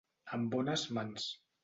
En bones mans.